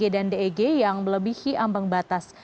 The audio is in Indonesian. eg dan deg yang melebihi ambang batas